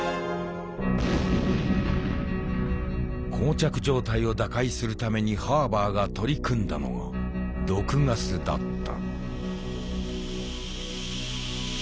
膠着状態を打開するためにハーバーが取り組んだのが「毒ガス」だった。